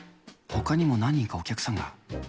ほかにも何人かお客さんが。